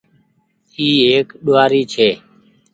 اي ايڪ ڏوهآري ڇي۔